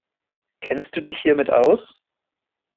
Kennst du dich hiermit aus?